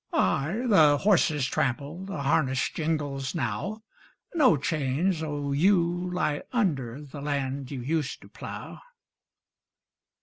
Ay, the horses trample, The harness jingles now; No change though you lie under The land you used to plough.